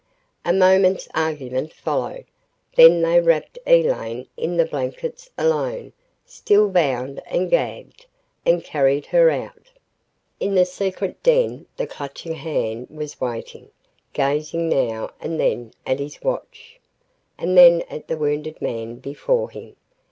A moment's argument followed, then they wrapped Elaine in the blankets alone, still bound and gagged, and carried her out. ........ In the secret den, the Clutching Hand was waiting, gazing now and then at his watch, and then at the wounded man before him.